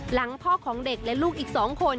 หลังพ่อของเด็กและลูกอีก๒คน